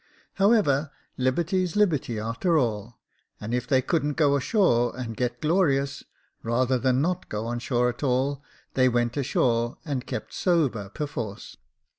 However, liberty's liberty a'ter all j and if they couldn't go ashore and get glorious, rather than not go on shore at all, they went ashore, and kept sober perforce.